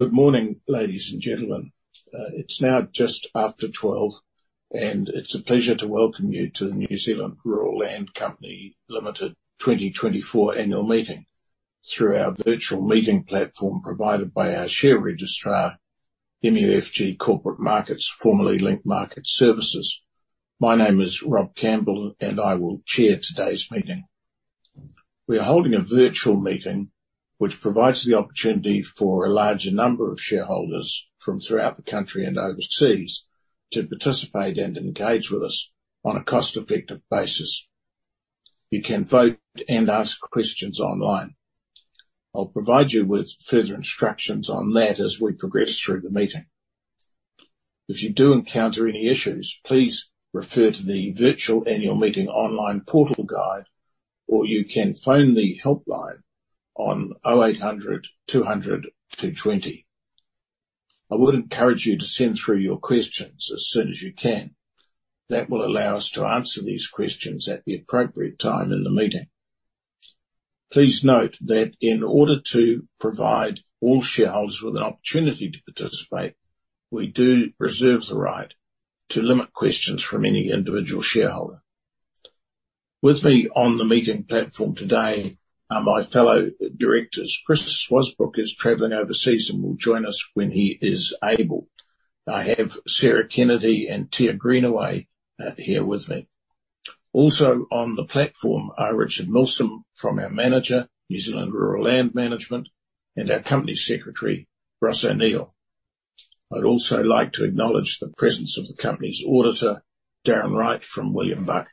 Good morning, ladies and gentlemen. It's now just after 12, and it's a pleasure to welcome you to the New Zealand Rural Land Company Limited 2024 Annual Meeting through our virtual meeting platform provided by our share registrar, MUFG Corporate Markets, formerly Link Market Services. My name is Rob Campbell, and I will chair today's meeting. We are holding a virtual meeting, which provides the opportunity for a larger number of shareholders from throughout the country and overseas to participate and engage with us on a cost-effective basis. You can vote and ask questions online. I'll provide you with further instructions on that as we progress through the meeting. If you do encounter any issues, please refer to the Virtual Annual Meeting Online Portal Guide, or you can phone the helpline on 0800 200 220. I would encourage you to send through your questions as soon as you can. That will allow us to answer these questions at the appropriate time in the meeting. Please note that in order to provide all shareholders with an opportunity to participate, we do reserve the right to limit questions from any individual shareholder. With me on the meeting platform today are my fellow directors. Chris Swasbrook is traveling overseas and will join us when he is able. I have Sarah Kennedy and Tia Greenaway here with me. Also on the platform are Richard Milsom from our manager, New Zealand Rural Land Management, and our company secretary, Ross O'Neill. I'd also like to acknowledge the presence of the company's auditor, Darren Wright, from William Buck.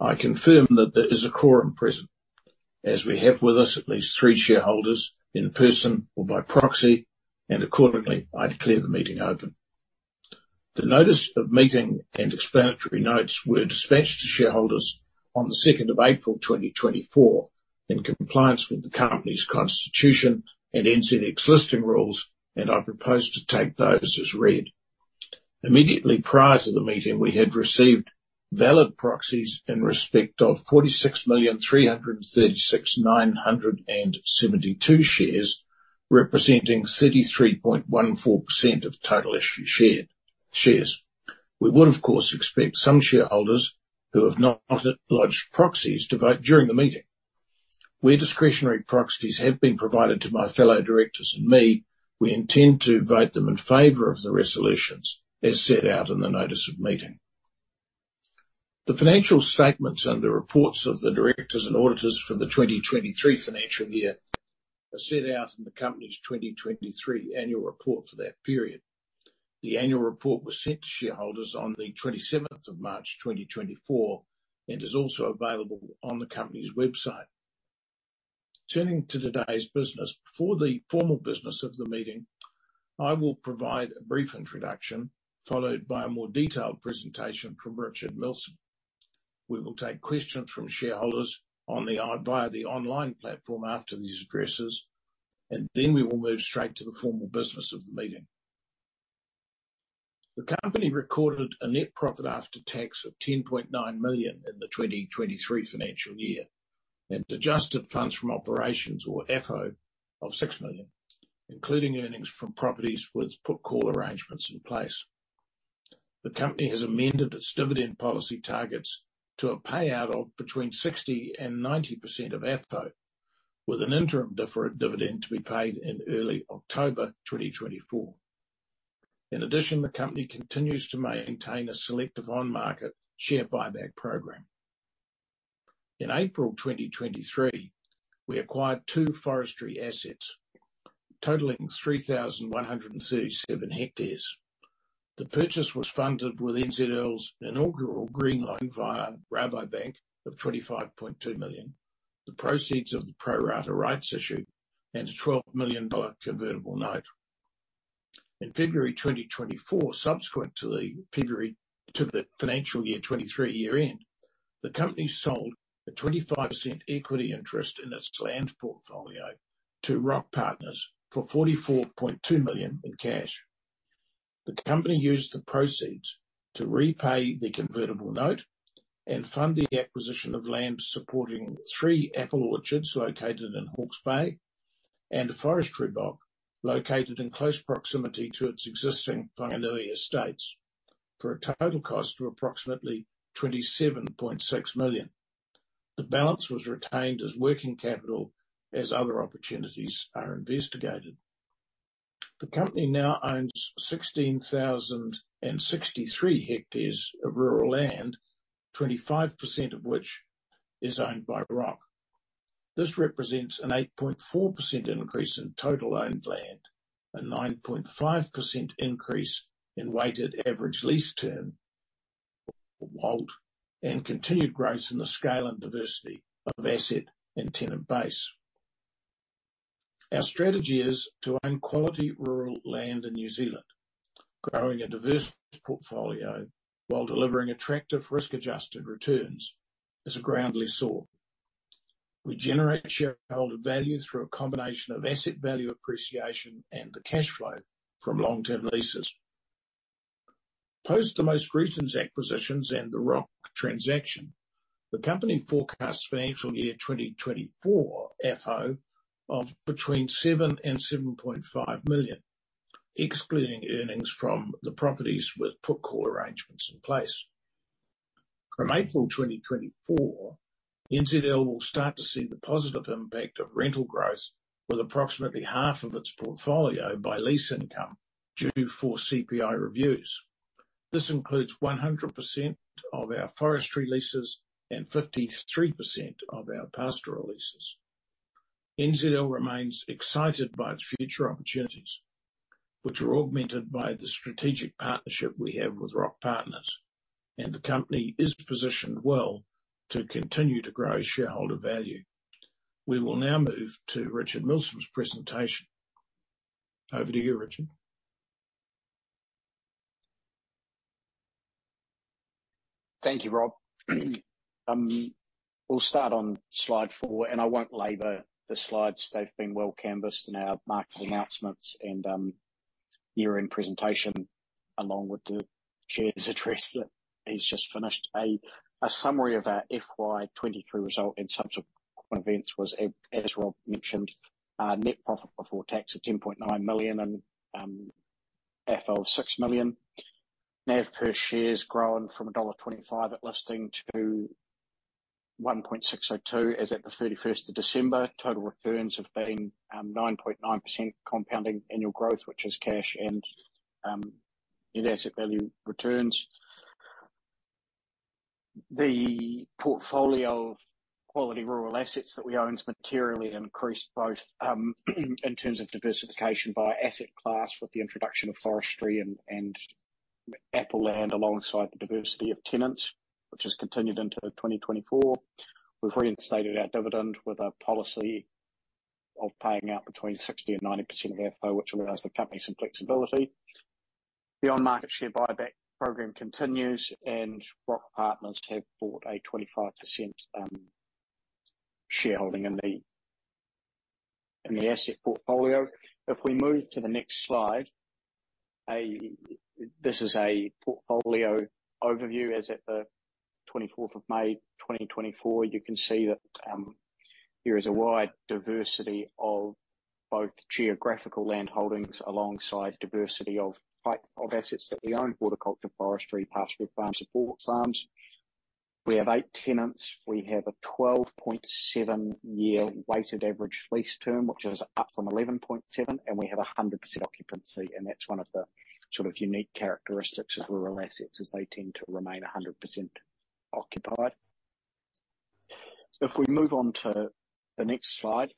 I confirm that there is a quorum present, as we have with us at least three shareholders in person or by proxy, and accordingly, I declare the meeting open. The notice of meeting and explanatory notes were dispatched to shareholders on the second of April, 2024, in compliance with the company's constitution and NZX listing rules, and I propose to take those as read. Immediately prior to the meeting, we had received valid proxies in respect of 46,336,972 shares, representing 33.14% of total issued shares. We would, of course, expect some shareholders who have not lodged proxies to vote during the meeting. Where discretionary proxies have been provided to my fellow directors and me, we intend to vote them in favor of the resolutions as set out in the notice of meeting. The financial statements and the reports of the directors and auditors for the 2023 financial year are set out in the company's 2023 annual report for that period. The annual report was sent to shareholders on the 27th of March, 2024, and is also available on the company's website. Turning to today's business, before the formal business of the meeting, I will provide a brief introduction, followed by a more detailed presentation from Richard Milsom. We will take questions from shareholders via the online platform after these addresses, and then we will move straight to the formal business of the meeting. The company recorded a net profit after tax of 10.9 million in the 2023 financial year, and adjusted funds from operations or FFO of 6 million, including earnings from properties with Put call arrangements in place. The company has amended its dividend policy targets to a payout of between 60% and 90% of AFFO, with an interim deferred dividend to be paid in early October 2024. In addition, the company continues to maintain a selective on-market share buyback program. In April 2023, we acquired two forestry assets totaling 3,137 hectares. The purchase was funded with NZL's inaugural green loan via Rabobank of 25.2 million. The proceeds of the pro rata rights issue and a 12 million dollar convertible note. In February 2024, subsequent to the February to the financial year 2023 year end, the company sold a 25% equity interest in its land portfolio to Roc Partners for 44.2 million in cash. The company used the proceeds to repay the convertible note and fund the acquisition of land, supporting three apple orchards located in Hawke's Bay and a forestry block located in close proximity to its existing Whanganui estates, for a total cost of approximately 27.6 million. The balance was retained as working capital as other opportunities are investigated. The company now owns 16,063 hectares of rural land, 25% of which is owned by Roc. This represents an 8.4% increase in total owned land, a 9.5% increase in weighted average lease term, WALT, and continued growth in the scale and diversity of asset and tenant base. Our strategy is to own quality rural land in New Zealand, growing a diverse portfolio while delivering attractive risk-adjusted returns as a ground leasehold. We generate shareholder value through a combination of asset value appreciation and the cash flow from long-term leases.... Post the most recent acquisitions and the Roc transaction, the company forecasts financial year 2024 FFO of between 7 million and 7.5 million, excluding earnings from the properties with put call arrangements in place. From April 2024, NZL will start to see the positive impact of rental growth, with approximately half of its portfolio by lease income due for CPI reviews. This includes 100% of our forestry leases and 53% of our pastoral leases. NZL remains excited by its future opportunities, which are augmented by the strategic partnership we have with Roc Partners, and the company is positioned well to continue to grow shareholder value. We will now move to Richard Milsom's presentation. Over to you, Richard. Thank you, Rob. We'll start on slide 4, and I won't labor the slides. They've been well canvassed in our market announcements and year-end presentation, along with the chair's address that he's just finished. A summary of our FY 2023 result in terms of events was, as Rob mentioned, net profit before tax of 10.9 million and FFO 6 million. NAV per share has grown from dollar 1.25 at listing to 1.602, as at the thirty-first of December. Total returns have been 9.9% compounding annual growth, which is cash and net asset value returns. The portfolio of quality rural assets that we own has materially increased both in terms of diversification by asset class, with the introduction of forestry and apple land, alongside the diversity of tenants, which has continued into 2024. We've reinstated our dividend with a policy of paying out between 60%-90% of FFO, which allows the company some flexibility. The on-market share buyback program continues, and Roc Partners have bought a 25%, shareholding in the asset portfolio. If we move to the next slide, this is a portfolio overview as at the 24th of May, 2024. You can see that there is a wide diversity of both geographical landholdings alongside diversity of type of assets that we own: horticulture, forestry, pastoral farms, and sports farms. We have 8 tenants. We have a 12.7-year weighted average lease term, which is up from 11.7, and we have 100% occupancy, and that's one of the sort of unique characteristics of rural assets, as they tend to remain 100% occupied. If we move on to the next slide,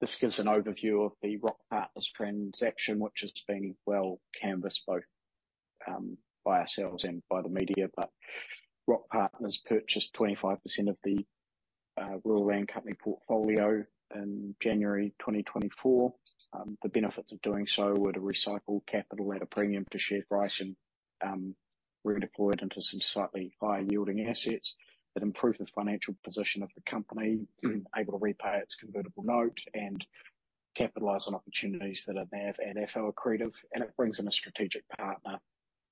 this gives an overview of the Roc Partners transaction, which has been well canvassed both by ourselves and by the media. But Roc Partners purchased 25% of the rural land company portfolio in January 2024. The benefits of doing so were to recycle capital at a premium to share price and redeploy it into some slightly higher-yielding assets that improve the financial position of the company, able to repay its convertible note and capitalize on opportunities that are NAV and FFO accretive. It brings in a strategic partner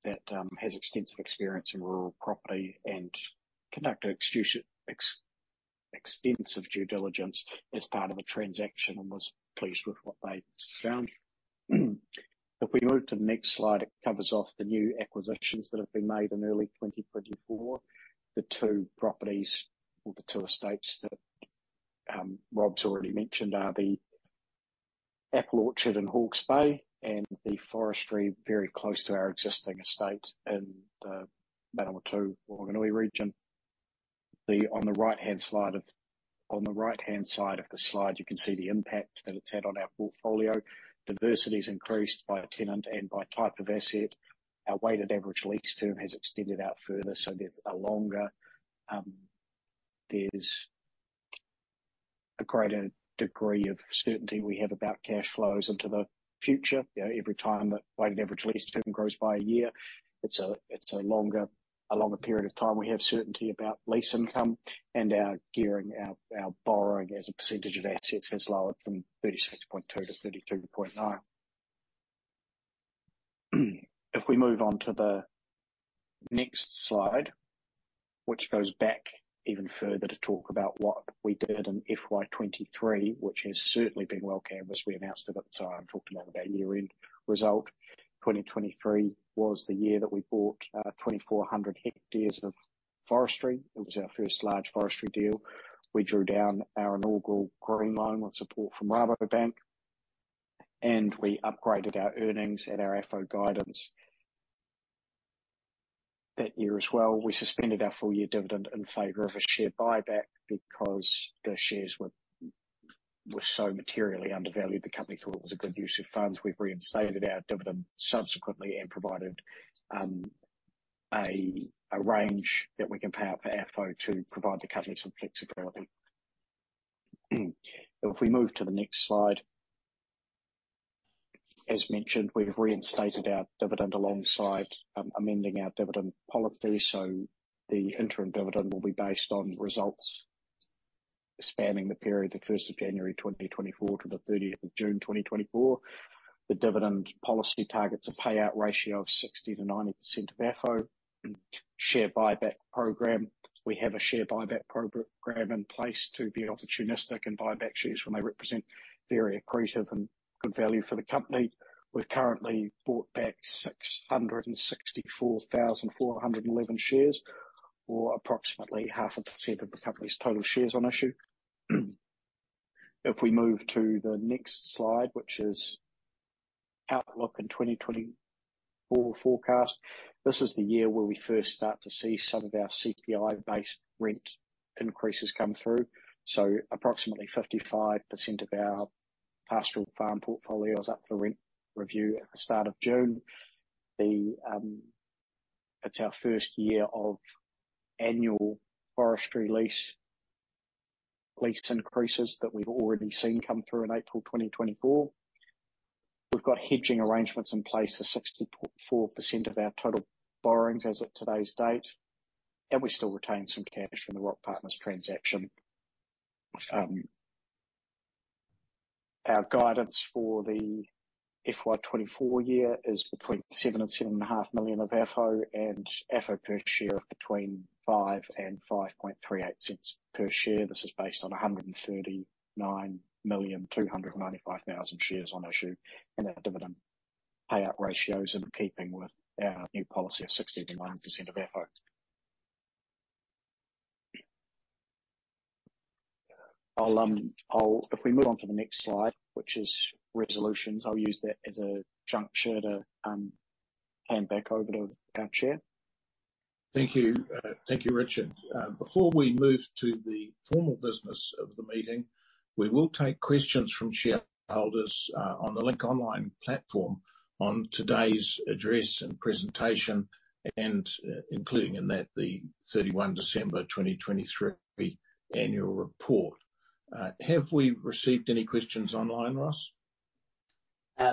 that has extensive experience in rural property and conducted extensive due diligence as part of a transaction and was pleased with what they found. If we move to the next slide, it covers off the new acquisitions that have been made in early 2024. The two properties or the two estates that Rob's already mentioned are the apple orchard in Hawke's Bay and the forestry very close to our existing estate in the Manawatū, Whanganui region. On the right-hand side of the slide, you can see the impact that it's had on our portfolio. Diversity is increased by a tenant and by type of asset. Our weighted average lease term has extended out further, so there's a longer, there's a greater degree of certainty we have about cash flows into the future. You know, every time the weighted average lease term grows by a year, it's a, it's a longer, a longer period of time we have certainty about lease income, and our gearing, our, our borrowing as a percentage of assets has lowered from 36.2 to 32.9. If we move on to the next slide, which goes back even further to talk about what we did in FY 2023, which has certainly been well canvassed. We announced it at the time, talking about our year-end result. 2023 was the year that we bought 2,400 hectares of forestry. It was our first large forestry deal. We drew down our inaugural green loan with support from Rabobank, and we upgraded our earnings and our FFO guidance. That year as well, we suspended our full-year dividend in favor of a share buyback, because the shares were so materially undervalued, the company thought it was a good use of funds. We've reinstated our dividend subsequently and provided a range that we can pay out for FFO to provide the company some flexibility. If we move to the next slide. As mentioned, we've reinstated our dividend alongside amending our dividend policy, so the interim dividend will be based on results spanning the period of the first of January 2024 to the thirtieth of June 2024. The dividend policy targets a payout ratio of 60%-90% of FFO and share buyback program. We have a share buyback program in place to be opportunistic and buy back shares when they represent very accretive and good value for the company. We've currently bought back 664,411 shares, or approximately 0.5% of the company's total shares on issue. If we move to the next slide, which is outlook and 2024 forecast, this is the year where we first start to see some of our CPI-based rent increases come through. So approximately 55% of our pastoral farm portfolio is up for rent review at the start of June. The, it's our first year of annual forestry lease increases that we've already seen come through in April 2024. We've got hedging arrangements in place for 64% of our total borrowings as of today's date, and we still retain some cash from the Roc Partners transaction. Our guidance for the FY 2024 year is between 7 million-7.5 million of FFO, and FFO per share of between 0.05-0.0538 per share. This is based on 139,295,000 shares on issue, and our dividend payout ratios in keeping with our new policy of 60%-90% of FFO. I'll. If we move on to the next slide, which is resolutions, I'll use that as a juncture to hand back over to our chair. Thank you. Thank you, Richard. Before we move to the formal business of the meeting, we will take questions from shareholders on the Link Online platform on today's address and presentation, and including in that the 31 December 2023 annual report. Have we received any questions online, Ross?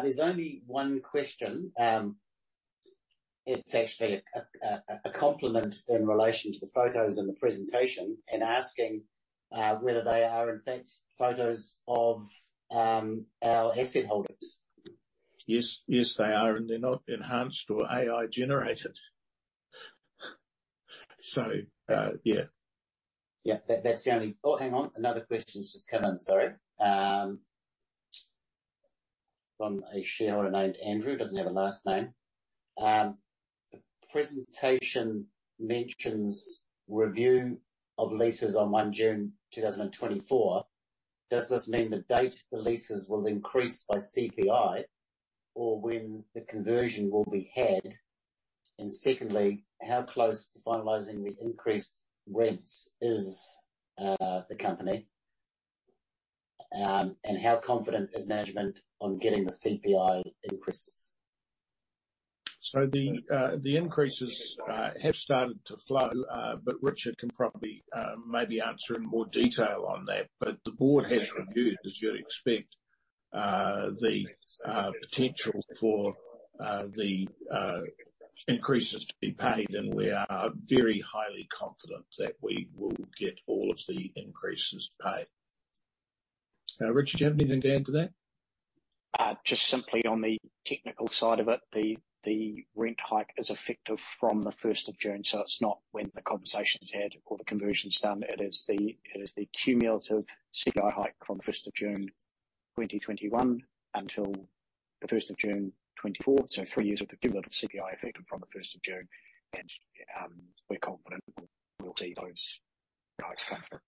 There's only one question. It's actually a compliment in relation to the photos and the presentation and asking whether they are in fact photos of our asset holders. Yes, yes, they are, and they're not enhanced or AI-generated. So, yeah. Yeah, that, that's the only... Oh, hang on. Another question's just come in, sorry. From a shareholder named Andrew, doesn't have a last name. "The presentation mentions review of leases on 1 June 2024. Does this mean the date the leases will increase by CPI or when the conversion will be had? And secondly, how close to finalizing the increased rents is the company, and how confident is management on getting the CPI increases? So the increases have started to flow, but Richard can probably maybe answer in more detail on that. But the board has reviewed, as you'd expect, the potential for the increases to be paid, and we are very highly confident that we will get all of the increases paid. Richard, do you have anything to add to that? Just simply on the technical side of it, the rent hike is effective from the first of June, so it's not when the conversation's had or the conversion's done. It is the cumulative CPI hike from the first of June 2021 until the first of June 2024, so 3 years of the cumulative CPI effective from the first of June. And we're confident we'll see those hikes come through.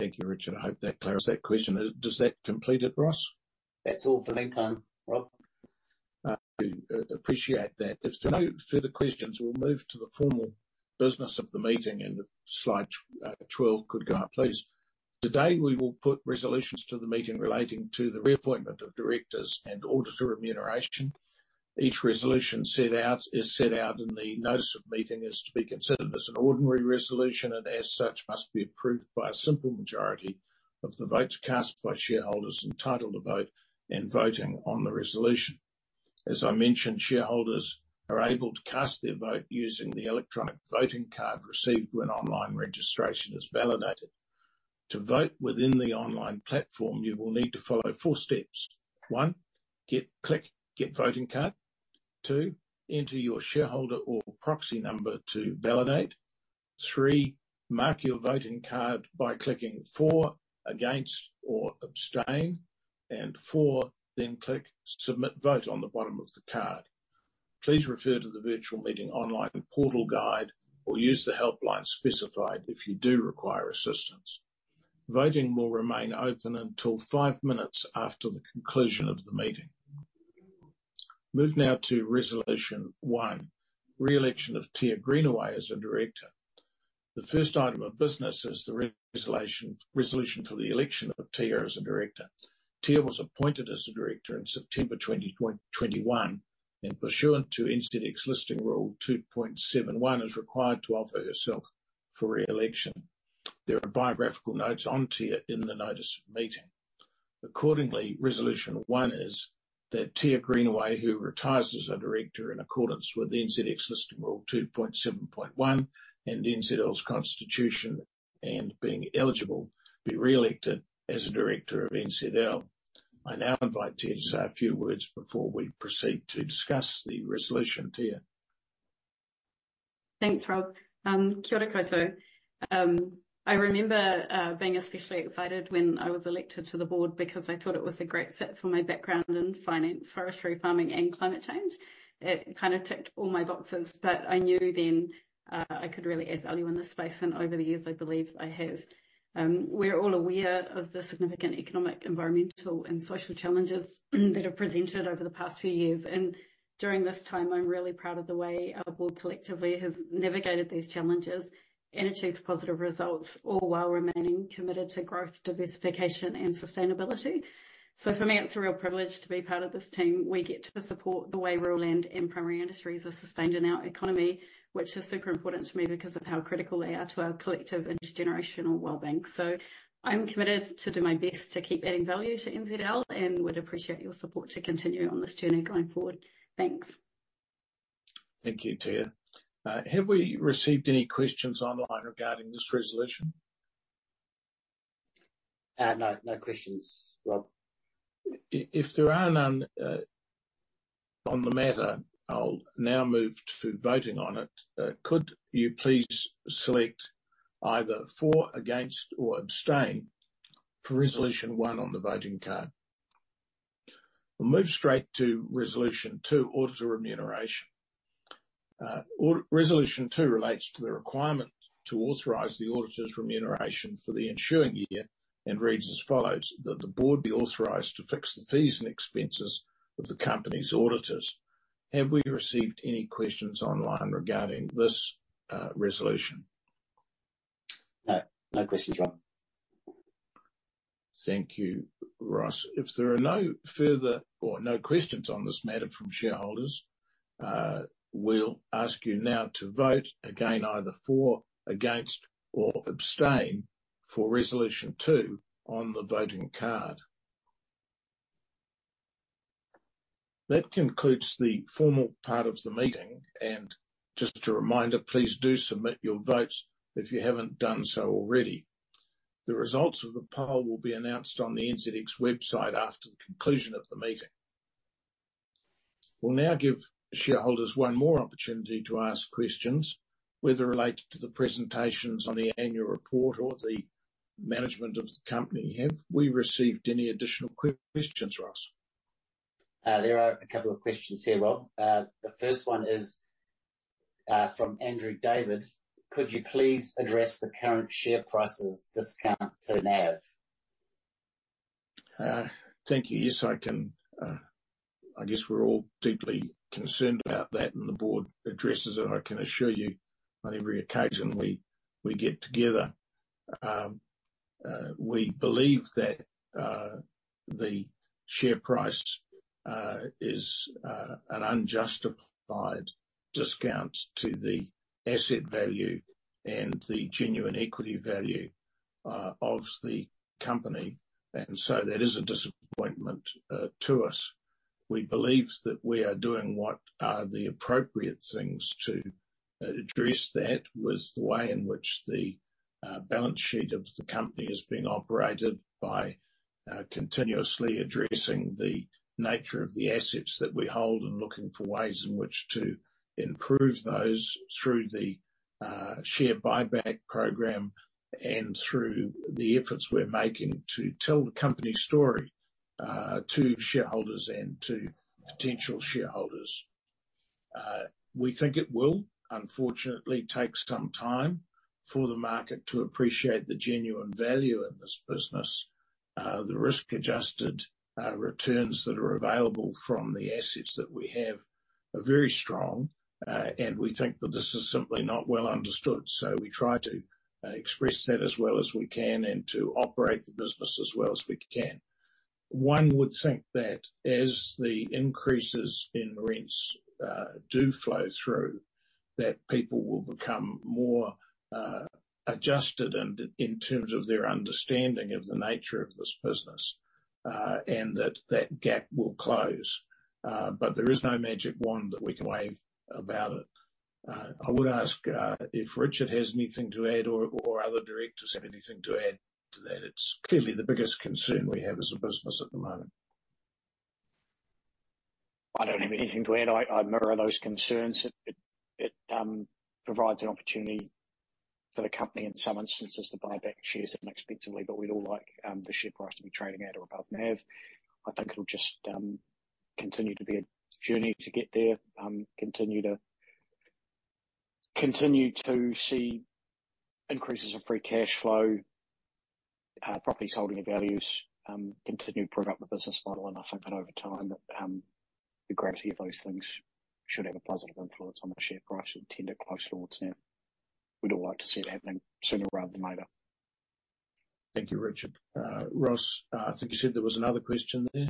Thank you, Richard. I hope that clears that question. Does that complete it, Ross? That's all for my time, Rob. Appreciate that. If there are no further questions, we'll move to the formal business of the meeting, and slide 12 could go up, please. Today, we will put resolutions to the meeting relating to the reappointment of directors and auditor remuneration. Each resolution set out, is set out in the notice of meeting, is to be considered as an ordinary resolution, and as such, must be approved by a simple majority of the votes cast by shareholders entitled to vote and voting on the resolution. As I mentioned, shareholders are able to cast their vote using the electronic voting card received when online registration is validated. To vote within the online platform, you will need to follow four steps: 1, click Get Voting Card. 2, enter your shareholder or proxy number to validate. 3, mark your voting card by clicking for, against, or abstain. And 4, then click Submit Vote on the bottom of the card. Please refer to the virtual meeting online portal guide, or use the helpline specified if you do require assistance. Voting will remain open until 5 minutes after the conclusion of the meeting. Moving now to Resolution One, re-election of Tia Greenaway as a director. The first item of business is the resolution for the election of Tia as a director. Tia was appointed as a director in September 2021, and pursuant to NZX Listing Rule 2.7.1, is required to offer herself for re-election. There are biographical notes on Tia in the notice of meeting. Accordingly, resolution one is that Tia Greenaway, who retires as a director in accordance with the NZX Listing Rule 2.7.1 and NZL's Constitution, and being eligible, be re-elected as a director of NZL. I now invite Tia to say a few words before we proceed to discuss the resolution. Tia? Thanks, Rob. Kia ora koutou. I remember being especially excited when I was elected to the board because I thought it was a great fit for my background in finance, forestry, farming, and climate change. It kind of ticked all my boxes, but I knew then I could really add value in this space, and over the years, I believe I have. We're all aware of the significant economic, environmental, and social challenges that have presented over the past few years, and during this time, I'm really proud of the way our board collectively has navigated these challenges and achieved positive results, all while remaining committed to growth, diversification, and sustainability. So for me, it's a real privilege to be part of this team. We get to support the way rural land and primary industries are sustained in our economy, which is super important to me because of how critical they are to our collective intergenerational well-being. So I'm committed to do my best to keep adding value to NZL and would appreciate your support to continue on this journey going forward. Thanks. Thank you, Tia. Have we received any questions online regarding this resolution? No. No questions, Rob. If there are none, on the matter, I'll now move to voting on it. Could you please select either for, against, or abstain for resolution one on the voting card? We'll move straight to resolution two, auditor remuneration. Resolution two relates to the requirement to authorize the auditor's remuneration for the ensuing year, and reads as follows: That the board be authorized to fix the fees and expenses of the company's auditors. Have we received any questions online regarding this, resolution? No. No questions, Rob. Thank you, Ross. If there are no further or no questions on this matter from shareholders, we'll ask you now to vote, again, either for, against, or abstain for resolution two on the voting card. That concludes the formal part of the meeting, and just a reminder, please do submit your votes if you haven't done so already. The results of the poll will be announced on the NZX website after the conclusion of the meeting. We'll now give shareholders one more opportunity to ask questions, whether related to the presentations on the annual report or the management of the company. Have we received any additional questions, Ross? There are a couple of questions here, Rob. The first one is from Andrew David: Could you please address the current share price discount to NAV? Thank you. Yes, I can. I guess we're all deeply concerned about that, and the board addresses it, I can assure you, on every occasion we get together. We believe that the share price is an unjustified discount to the asset value and the genuine equity value of the company, and so that is a disappointment to us. We believe that we are doing what are the appropriate things to address that, with the way in which the balance sheet of the company is being operated by continuously addressing the nature of the assets that we hold and looking for ways in which to improve those through the share buyback program and through the efforts we're making to tell the company story to shareholders and to potential shareholders. We think it will, unfortunately, take some time for the market to appreciate the genuine value in this business. The risk-adjusted returns that are available from the assets that we have are very strong, and we think that this is simply not well understood, so we try to express that as well as we can and to operate the business as well as we can. One would think that as the increases in rents do flow through, that people will become more adjusted in terms of their understanding of the nature of this business, and that that gap will close. But there is no magic wand that we can wave about it. I would ask if Richard has anything to add or other directors have anything to add to that. It's clearly the biggest concern we have as a business at the moment. I don't have anything to add. I mirror those concerns. It provides an opportunity for the company in some instances to buy back shares inexpensively, but we'd all like the share price to be trading at or above NAV. I think it'll just continue to be a journey to get there, continue to see increases in free cash flow, properties holding the values, continue to improve up the business model, and I think that over time the gravity of those things should have a positive influence on the share price and tend to close towards NAV. We'd all like to see it happening sooner rather than later. Thank you, Richard. Ross, I think you said there was another question there.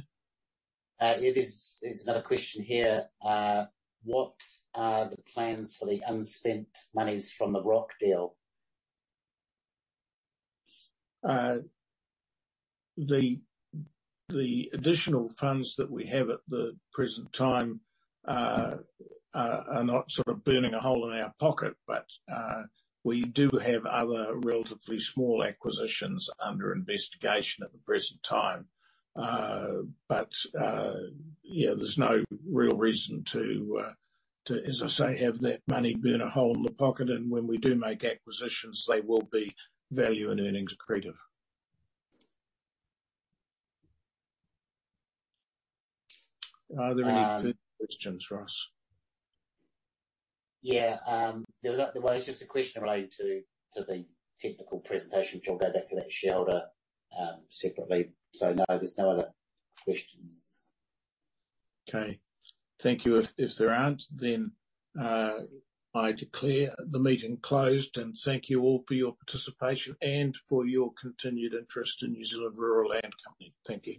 Yeah, there's another question here. What are the plans for the unspent monies from the Roc deal? The additional funds that we have at the present time are not sort of burning a hole in our pocket, but we do have other relatively small acquisitions under investigation at the present time. But yeah, there's no real reason to, as I say, have that money burn a hole in the pocket, and when we do make acquisitions, they will be value and earnings accretive. Are there any further questions, Ross? Yeah, there was, well, it's just a question related to the technical presentation, which I'll go back to that shareholder, separately. So no, there's no other questions. Okay. Thank you. If there aren't, then I declare the meeting closed, and thank you all for your participation and for your continued interest in New Zealand Rural Land Company. Thank you.